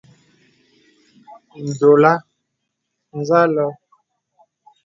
Ndɔ̌là zà lɔ̄ɔ̄.